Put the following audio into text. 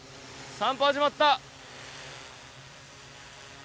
散布、始まった！